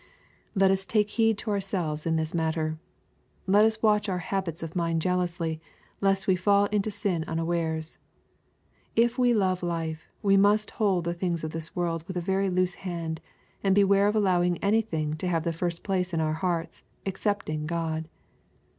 Let us take heed to ourselves in this matter. Let us watch our habits of mind jealously, lest we fall into sin unawares. If we love life, we must hold the things of this world with a very loose hand, and beware of allowing anything to have thJfirst place In our hearts, excepting God.